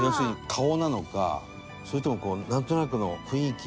それともなんとなくの雰囲気